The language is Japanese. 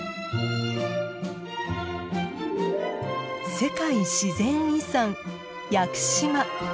世界自然遺産屋久島。